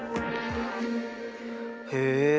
へえ。